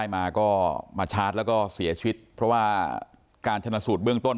มาก็มาชาร์จแล้วก็เสียชีวิตเพราะว่าการชนะสูตรเบื้องต้น